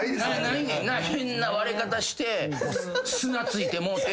ないねんな変な割れ方して砂付いてもうて。